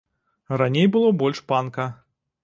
Раней было больш панка.